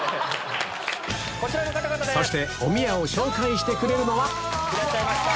そしておみやを紹介してくれるのはいらっしゃいました。